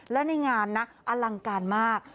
แล้วในงานนะอลังการมาก